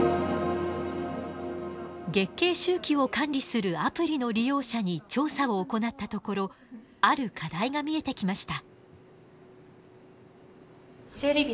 月経周期を管理するアプリの利用者に調査を行ったところある課題が見えてきました。